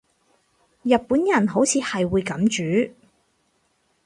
日本人好似係會噉煮